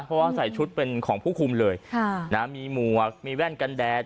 เพราะว่าใส่ชุดเป็นของผู้คุมเลยค่ะนะมีหมวกมีแว่นกันแดด